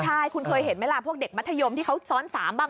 ใช่คุณเคยเห็นไหมล่ะพวกเด็กมัธยมที่เขาซ้อน๓บ้าง